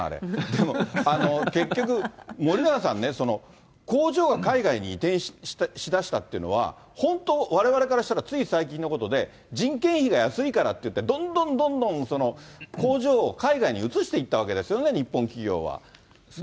でも結局、森永さんね、工場が海外に移転しだしたっていうのは、本当、われわれからしたらつい最近のことで、人件費が安いからっていってどんどんどんどん工場を海外に移していったわけですよね、日本企業は。